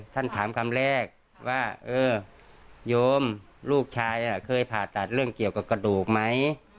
ท่านถามคำแรกว่าเออโยมลูกชายเคยผ่าตัดเรื่องเกี่ยวกับกระดูกไหม